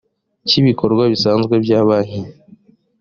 cy’ibikorwa bisanzwe bya banki